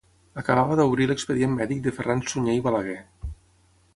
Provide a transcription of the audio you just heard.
Acabava d'obrir l'expedient mèdic de Ferran Sunyer i Balaguer.